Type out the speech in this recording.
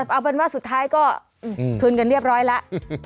เอาเป็นว่าสุดท้ายก็คืนกันเรียบร้อยแล้ว